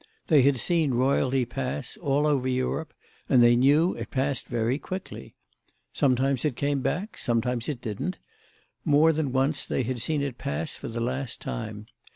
They had seen royalty pass, all over Europe, and they knew it passed very quickly. Sometimes it came back; sometimes it didn't; more than once they had seen it pass for the last time.